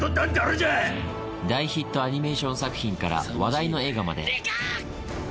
大ヒットアニメーション作品から話題の映画まで。